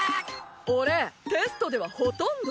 俺テストではほとんど。